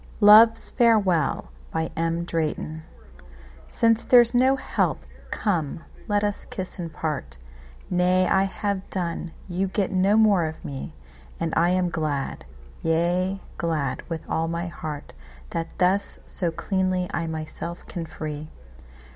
Love's Farewell SINCE there's no help, come let us kiss and part,—Nay I have done, you get no more of me; And I am glad, yea, glad with all my heart, That thus so cleanly I myself can free.